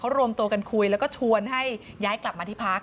รวมตัวกันคุยแล้วก็ชวนให้ย้ายกลับมาที่พัก